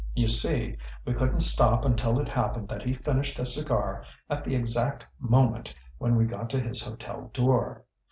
You see, we couldn't stop until it happened that he finished a cigar at the exact moment when we got to his hotel door.